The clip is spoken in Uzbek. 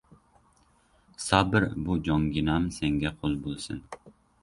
Sabr, bu jonginam senga qul bo‘lsin.